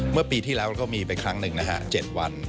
เมื่อปีที่แล้วก็มีไปครั้งหนึ่งนะฮะ๗วัน